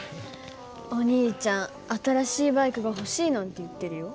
お兄ちゃん新しいバイクが欲しいなんて言ってるよ。